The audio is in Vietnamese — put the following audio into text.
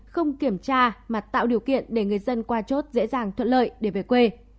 không kiểm tra mà tạo điều kiện để người dân qua chốt dễ dàng thuận lợi để về quê